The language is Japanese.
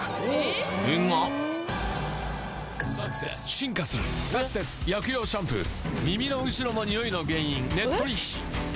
それが「サクセス進化するサクセス薬用シャンプー」「耳の後ろのニオイの原因ねっとり皮脂」